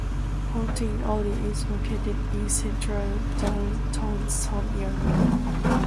Fountain Alley is located in central Downtown San Jose.